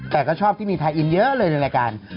แต่ก็ชอบที่มีพายอินเยอะเลยในรายการ